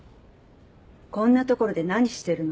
こんな所で何してるの？